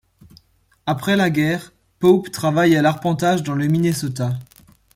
Après la guerre, Pope travaille à l'arpentage dans le Minnesota.